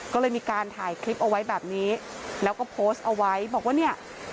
ก็เลยมีการถ่ายคลิปเอาไว้แบบนี้แล้วก็โพสต์เอาไว้บอกว่าเนี่ย